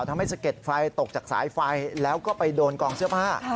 สะเก็ดไฟตกจากสายไฟแล้วก็ไปโดนกองเสื้อผ้า